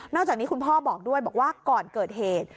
จากนี้คุณพ่อบอกด้วยบอกว่าก่อนเกิดเหตุ